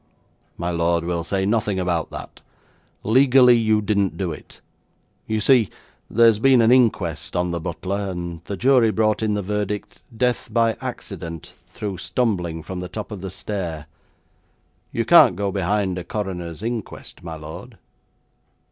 'My lord, we'll say nothing about that. Legally you didn't do it. You see, there's been an inquest on the butler and the jury brought in the verdict, "Death by accident, through stumbling from the top of the stair." You can't go behind a coroner's inquest, my lord.'